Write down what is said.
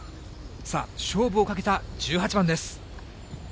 さあ、勝負をかけた１８番です。